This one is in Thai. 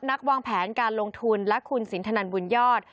วางแผนการลงทุนและคุณสินทนันบุญยอด